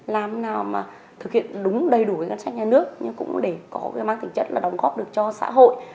làm nào mà thực hiện đúng đầy đủ ngân sách nhà nước nhưng cũng để có cái mang tính chất là đóng góp được cho xã hội